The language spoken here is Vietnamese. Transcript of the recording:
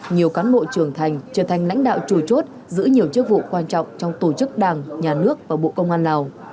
nhiều cán bộ trưởng thành trở thành lãnh đạo chủ chốt giữ nhiều chức vụ quan trọng trong tổ chức đảng nhà nước và bộ công an lào